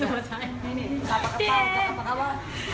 อันนี้คืออะไรปลาเหรอคะ